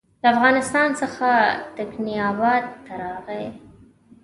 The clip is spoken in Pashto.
له افغانستان څخه تکیناباد ته راغی.